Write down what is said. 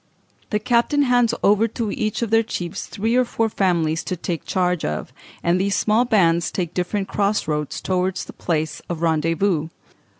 The captain hands over to each of the chiefs three or four families to take charge of, and these small bands take different cross roads towards the place of rendezvous.